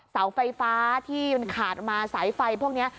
เสาไฟฟ้าที่มันขาดมาสายไฟพวกนี้